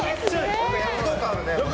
躍動感あるね。